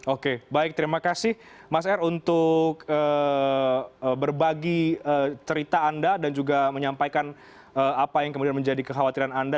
oke baik terima kasih mas r untuk berbagi cerita anda dan juga menyampaikan apa yang kemudian menjadi kekhawatiran anda